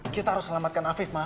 kita harus selamatkan afif mah